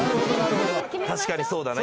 確かにそうだね